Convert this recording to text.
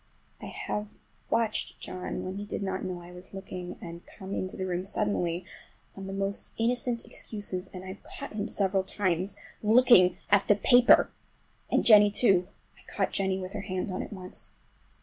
I have watched John when he did not know I was looking, and come into the room suddenly on the most innocent excuses, and I've caught him several times looking at the paper! And Jennie too. I caught Jennie with her hand on it once.